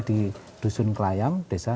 di dusun kelayam desa